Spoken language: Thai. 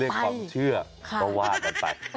เรียกความเชื่อก็ว่าไป